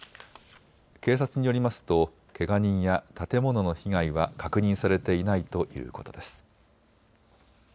警察によりますとけが人や建物の被害は確認されていないということです。